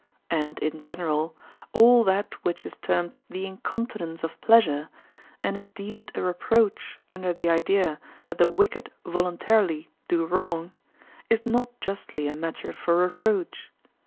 And in general, all that which is termed the incontinence of pleasure and is deemed a reproach under the idea that the wicked voluntarily do wrong is not justly a matter for reproach.